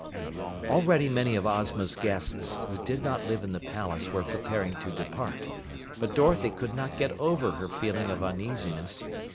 Already many of Ozma's guests who did not live in the palace were preparing to depart, but Dorothy could not get over her feeling of uneasiness.